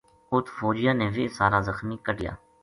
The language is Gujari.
اُت فوجیاں نے ویہ سارا زخمی کَڈھیا